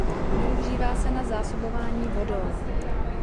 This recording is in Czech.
Využívá se na zásobování vodou.